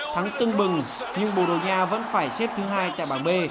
thắng tưng bừng nhưng borogna vẫn phải xếp thứ hai tại bảng b